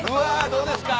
どうですか？